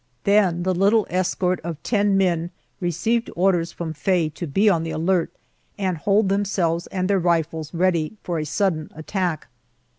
Then the little escort of ten men received orders from Faye to be on the alert, and hold themselves and their rifles ready for a sudden attack.